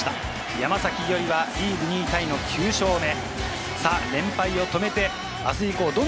山崎伊織はリーグ２位タイの９勝目。